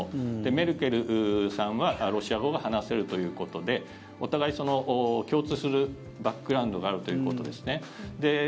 メルケルさんはロシア語が話せるということでお互い共通するバッググラウンドがあるということですね。